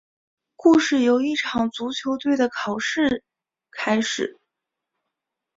故事由一场足球队的考试开始。